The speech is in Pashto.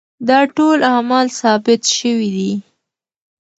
دا ټول اعمال ثابت شوي دي.